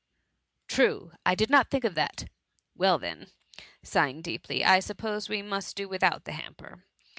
" True ; I did not think of that ! Well, then," sighing deeply, ^^ I suppose we must do without the hamper